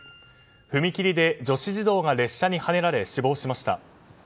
踏切で女子児童が列車にはねられ死亡しました。